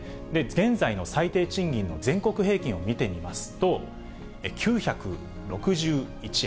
現在の最低賃金の全国平均を見てみますと、９６１円。